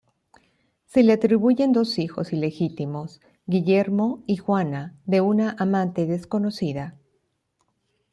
Se le atribuyen dos hijos ilegítimos, Guillermo y Juana, de una amante desconocida.